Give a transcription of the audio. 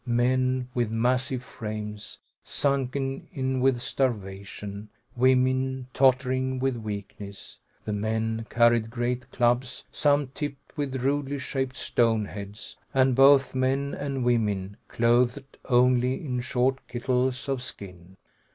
Men with massive frames, sunken in with starvation, women tottering with weakness. The men carried great clubs, some tipped with rudely shaped stone heads, and both men and women clothed only in short kittles of skin.